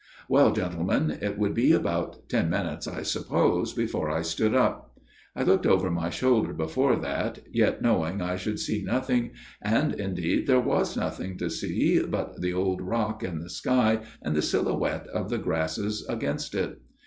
" Well, gentlemen ; it would be about ten minutes I suppose before I stood up. I looked over my shoulder before that, yet knowing I should see nothing, and indeed there was nothing to see but the old rock and the sky, and the silhouette of the grasses against it.